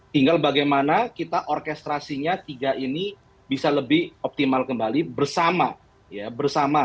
tinggal bagaimana kita orkestrasinya tiga ini bisa lebih optimal kembali bersama